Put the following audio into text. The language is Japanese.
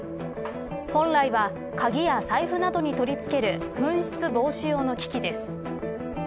本来は、鍵や財布などに取り付ける紛失防止用の機器です。